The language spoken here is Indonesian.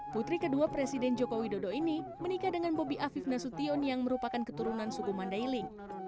putri kedua presiden joko widodo ini menikah dengan bobi afif nasution yang merupakan keturunan suku mandailing